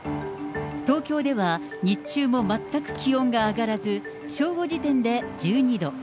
東京では、日中も全く気温が上がらず、正午時点で１２度。